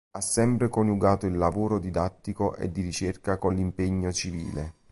Ha sempre coniugato il lavoro didattico e di ricerca con l'impegno civile.